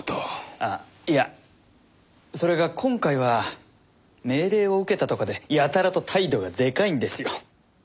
あっいやそれが今回は命令を受けたとかでやたらと態度がでかいんですよ。